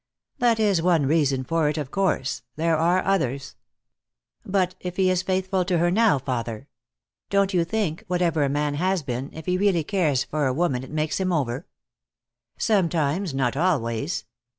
"That is one reason for it, of course. There are others." "But if he is faithful to her now, father? Don't you think, whatever a man has been, if he really cares for a woman it makes him over?" "Sometimes, not always."